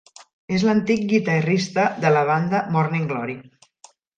És l'antic guitarrista de la banda Morning Glory.